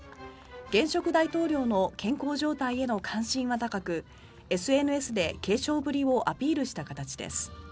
現職大統領の健康状態への関心は高くＳＮＳで軽症ぶりをアピールした形です。